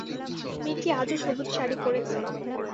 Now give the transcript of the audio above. মেয়েটি আজও সবুজ শাড়ি পরেছে।